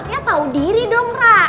harusnya tau diri dong rara